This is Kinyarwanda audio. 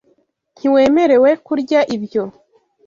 Ntiwemerewe kurya ibyo.